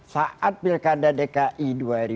saat pilkada dki dua ribu tujuh belas